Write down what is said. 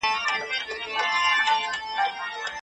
د لنډې اونۍ تجربه د کار کیفیت لوړوي.